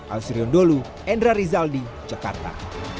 alsyrion dholu endra rizal di jakarta